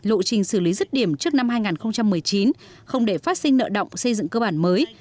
lộ trình xử lý rứt điểm trước năm hai nghìn một mươi chín không để phát sinh nợ động xây dựng cơ bản mới